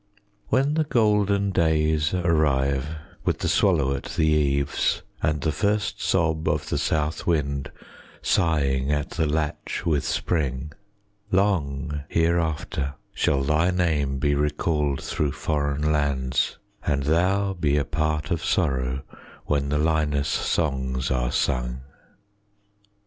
When the golden days arrive, With the swallow at the eaves, And the first sob of the south wind Sighing at the latch with spring, 40 Long hereafter shall thy name Be recalled through foreign lands, And thou be a part of sorrow When the Linus songs are sung.